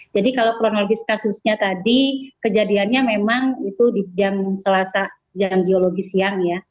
jadi kalau kronologis kasusnya tadi kejadiannya memang itu di jam selasa jam biologi siang ya